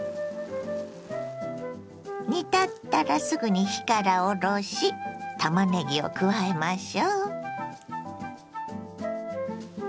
煮立ったらすぐに火から下ろしたまねぎを加えましょ。